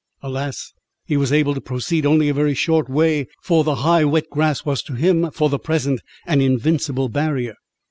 Alas! he was able to proceed only a very short way, for the high wet grass was to him, for the present, an invincible barrier.